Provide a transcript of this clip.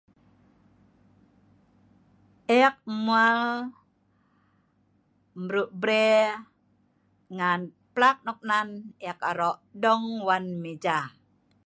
Ek mwal, mru' brea ngan plak noknen, ek aro dong wan meja